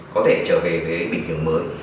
có thể trở về với bình thường mới